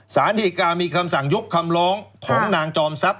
สารดีกามีคำสั่งยกคำร้องของนางจอมทรัพย